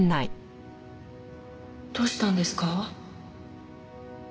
どうしたんですか？